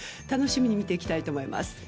楽しみに見ていきたいと思います。